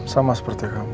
sama seperti kamu